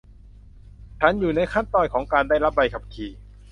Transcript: ฉันอยู่ในขั้นตอนของการได้รับใบขับขี่